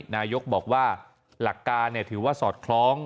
นายกบอกว่าหลักการถือว่าสอดคล้อง